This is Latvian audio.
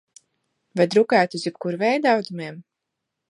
Vai drukājat uz jebkura veida audumiem?